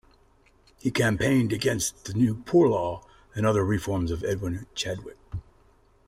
He campaigned against the new Poor Law and other "reforms" of Edwin Chadwick.